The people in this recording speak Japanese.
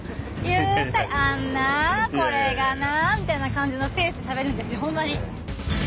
ゆったり「あんなこれがな」みたいな感じのペースでしゃべるんですよほんまに。